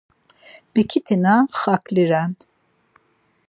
Bekitina xakli ren.